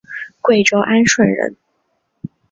贵州安顺人。